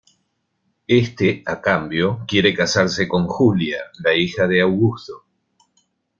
Éste, a cambio, quiere casarse con Julia, la hija de Augusto.